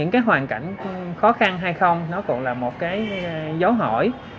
cái hoàn cảnh khó khăn hay không nó cũng là một cái dấu hỏi